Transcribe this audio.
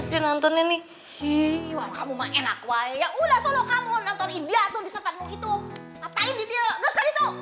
sih nonton ini hii kamu enak ya udah solo kamu nonton india tuh di tempatmu itu apa ini itu